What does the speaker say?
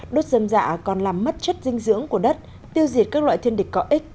đốt dâm dạ còn làm mất chất dinh dưỡng của đất tiêu diệt các loại thiên địch có ích